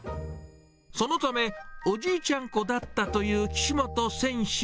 そのためおじいちゃん子だったという岸本選手。